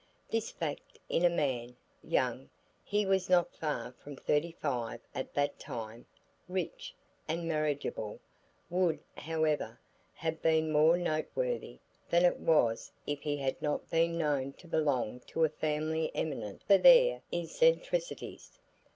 This fact in a man, young he was not far from thirty five at that time rich, and marriageable, would, however, have been more noteworthy than it was if he had not been known to belong to a family eminent for their eccentricities.